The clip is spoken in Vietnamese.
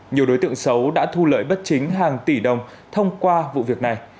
nhiều đối tượng xấu đã thu lợi bất chính hàng tỷ đồng thông qua vụ việc này